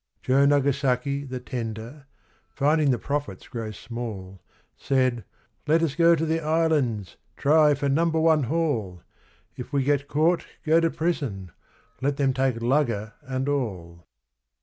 Joe Nagasaki, the 'tender', finding the profits grow small, Said, 'Let us go to the Islands, try for a number one haul! If we get caught, go to prison let them take lugger and all!'